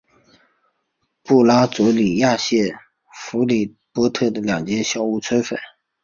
布拉佐里亚县的弗里波特的两间小屋摧毁。